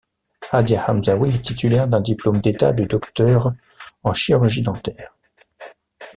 Hadia Hamzawi est titulaire d'un diplôme d’État de docteure en chirurgie dentaire.